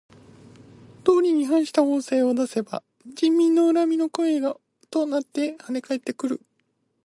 道理に反した法令を出せば人民の恨みの声となってはね返ってくる。